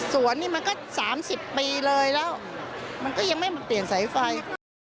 สวนนี่มันก็๓๐ปีเลยแล้วมันก็ยังไม่มาเปลี่ยนสายไฟ